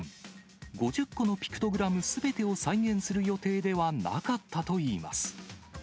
５０個のピクトグラムすべてを再現する予定ではなかったといいます。